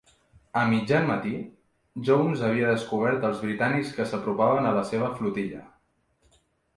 A mitjan matí, Jones havia descobert els britànics que s'apropaven a la seva flotilla.